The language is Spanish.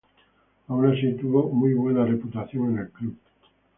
Aun así, tuvo muy buena reputación en el club.